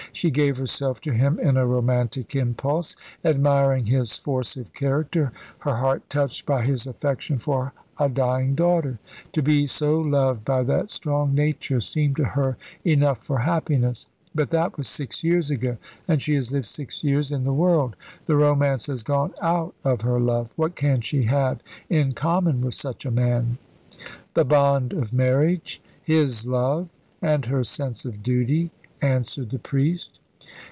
She gave herself to him in a romantic impulse, admiring his force of character, her heart touched by his affection for a dying daughter. To be so loved by that strong nature seemed to her enough for happiness. But that was six years ago, and she has lived six years in the world. The romance has gone out of her love. What can she have in common with such a man?" "The bond of marriage his love, and her sense of duty," answered the priest.